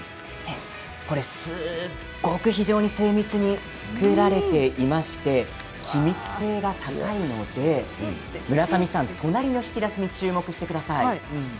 これすごく非常に精密に作られていまして気密性が高いので村上さん、隣の引き出しに注目してください。